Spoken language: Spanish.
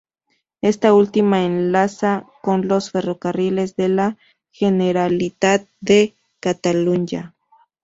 Esta última enlaza con los Ferrocarriles de la Generalitat de Catalunya.